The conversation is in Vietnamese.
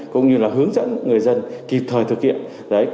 cũng như là hướng dẫn người dân kịp thời thực hiện